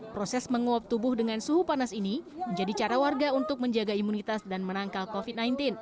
proses menguap tubuh dengan suhu panas ini menjadi cara warga untuk menjaga imunitas dan menangkal covid sembilan belas